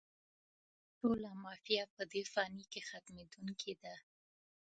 ټوله «ما فيها» په دې فاني کې ختمېدونکې ده